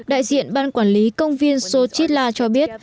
đại diện ban quản lý công viên sochitla cho biết